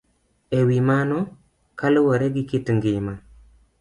E wi mano, kaluwore gi kit ngima